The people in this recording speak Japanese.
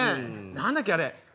何だっけあれ？